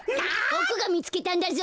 ボクがみつけたんだぞ。